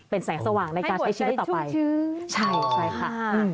เป็นแสงสว่างในการใช้ชีวิตต่อไปใช่ค่ะอ๋อให้หมดใจชุ่มชื่น